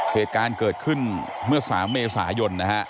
เหตุการณ์เกิดขึ้นเมื่อ๓เมษายนนะฮะ